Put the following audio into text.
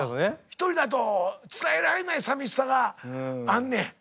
一人だと伝えられないさみしさがあんねん。